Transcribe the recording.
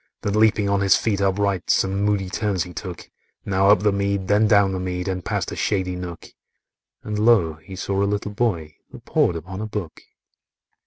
Then leaping on his feet upright, Some moody turns he took,— Now up the mead, then down the mead, And past a shady nook,— And lo! he saw a little boy That pored upon a book.